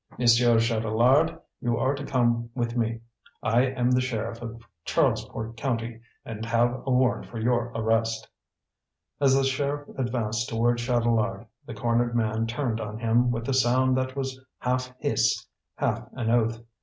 "Monsieur Chatelard, you are to come with me. I am the sheriff of Charlesport County, and have a warrant for your arrest." As the sheriff advanced toward Chatelard, the cornered man turned on him with a sound that was half hiss, half an oath.